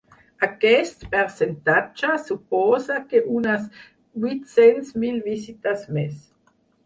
Aquest percentatge suposa que unes vuit-cents mil visites més.